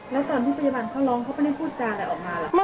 แล้วตอนที่พยาบาลเขาร้องเขาไม่ได้พูดจาอะไรออกมาหรอกค่ะ